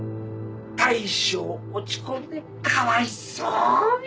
大将落ち込んでかわいそうに。